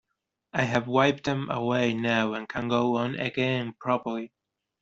I have wiped them away now and can go on again properly.